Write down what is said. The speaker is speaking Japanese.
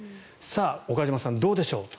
岡島さん、どうでしょう。